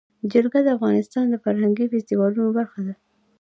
جلګه د افغانستان د فرهنګي فستیوالونو برخه ده.